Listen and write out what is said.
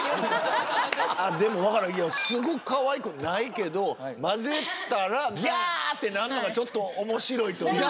すごくカワイくないけど混ぜたら「ギャ！」ってなんのがちょっと面白いというか。